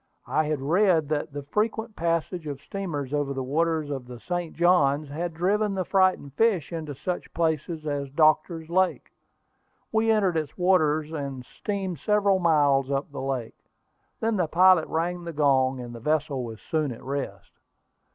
I had read that the frequent passage of steamers over the waters of the St. Johns had driven the frightened fish into such places as Doctor's Lake. We entered its waters, and steamed several miles up the lake. Then the pilot rang the gong, and the vessel was soon at rest.